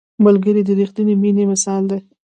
ملګری د رښتیني مینې مثال دی